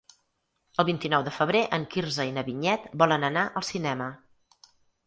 El vint-i-nou de febrer en Quirze i na Vinyet volen anar al cinema.